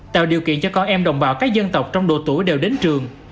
tạo điều kiện cho con em đồng bào các dân tộc trong độ tuổi đều đến trường